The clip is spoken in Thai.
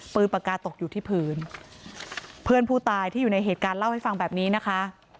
ปากกาตกอยู่ที่พื้นเพื่อนผู้ตายที่อยู่ในเหตุการณ์เล่าให้ฟังแบบนี้นะคะ